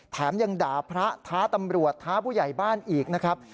แถมยังด่าพระท้าตำรวจท้าผู้ใหญ่บ้านอีกนะครับ